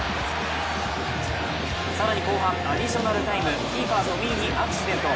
更に後半アディショナルタイムキーパー・富居にアクシデント。